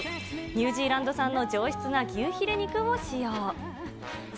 ニュージーランド産の上質な牛ヒレ肉を使用。